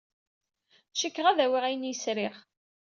Cikkeɣ ad d-awyeɣ ayen ay sriɣ.